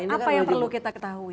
apa yang perlu kita ketahui